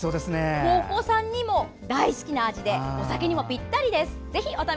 お子さんも大好きな味でお酒にもぴったりです。